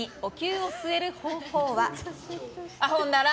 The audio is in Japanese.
あほんだら。